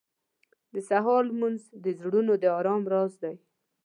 • د سهار لمونځ د زړونو د ارام راز دی.